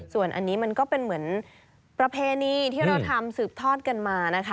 ส่วนอันนี้มันก็เป็นเหมือนประเพณีที่เราทำสืบทอดกันมานะคะ